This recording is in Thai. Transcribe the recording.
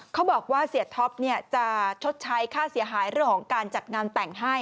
เขาบอกว่าเสียท็อปจะชดใช้ค่าเสียหายเรื่องของการจัดงานแต่งให้